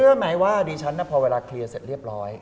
ไหมว่าดิฉันพอเวลาเคลียร์เสร็จเรียบร้อย